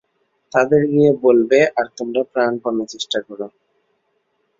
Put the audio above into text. তাঁদের গিয়ে বলবে আর তোমরা প্রাণপণে চেষ্টা কর।